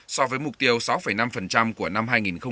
so với mục tiêu sáu năm của năm hai nghìn một mươi tám